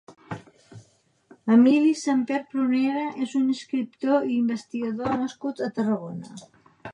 Emili Samper Prunera és un escriptor i investigador nascut a Tarragona.